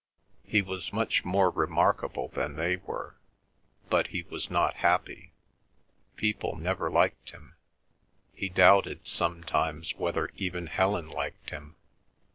He was much more remarkable than they were, but he was not happy. People never liked him; he doubted sometimes whether even Helen liked him.